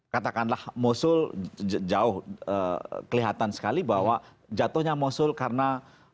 katakanlah mosul jauh kelihatan sekali bahwa jatuhnya mosul karena